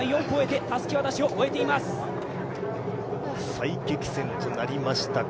最激戦となりました。